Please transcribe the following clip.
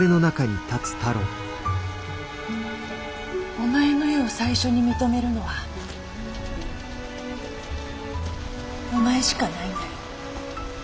「お前の絵を最初に認めるのはお前しかないんだよ。